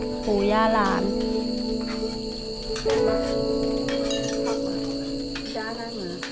พี่น้องของหนูก็ช่วยย่าทำงานค่ะ